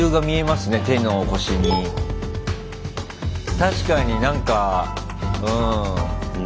確かになんかうん。